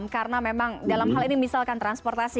karena memang dalam hal ini misalkan transportasi